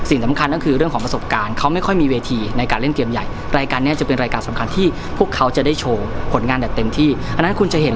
สิ่งสำคัญก็คือเรื่องของประสบการณ์